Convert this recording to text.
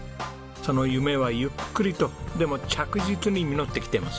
その夢はゆっくりとでも着実に実ってきています。